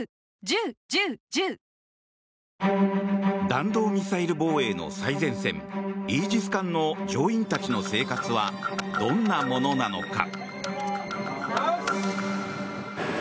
弾道ミサイル防衛の最前線イージス艦の乗員たちの生活はどんなものなのか。